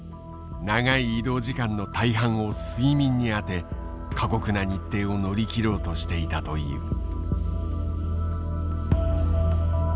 長い移動時間の大半を睡眠に充て過酷な日程を乗り切ろうとしていたという。